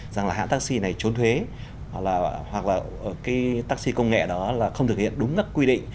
rằng là hãng taxi này trốn thuế hoặc là hoặc là cái taxi công nghệ đó là không thực hiện đúng các quy định